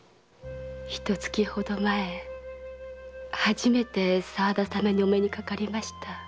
一か月ほど前初めて沢田様にお目にかかりました。